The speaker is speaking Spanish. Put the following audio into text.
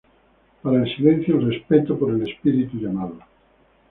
Para el silencio, el respeto por el espíritu llamado.